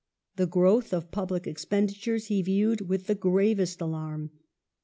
The growth of public expenditure he viewed with the gravest alarm.